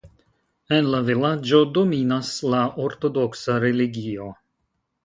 En la vilaĝo dominas la ortodoksa religio.